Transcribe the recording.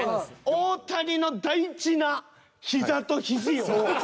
大谷の大事な膝と肘を。